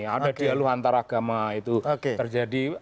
ada dialog antaragama itu terjadi